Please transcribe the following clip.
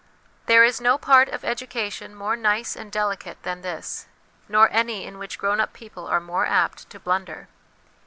There is no part of education more nice and delicate than this, nor any in which grown up people are more apt to blunder.